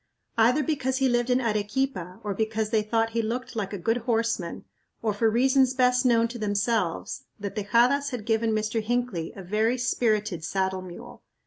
Either because he lived in Arequipa or because they thought he looked like a good horseman, or for reasons best known to themselves, the Tejadas had given Mr. Hinckley a very spirited saddle mule.